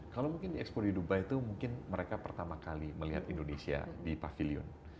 kalau mungkin diekspor di dubai itu mungkin mereka pertama kali melihat indonesia di pavilion